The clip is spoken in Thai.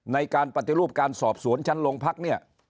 ในการปฏิรูปการสอบสวนชั้นโรงพักเนี่ย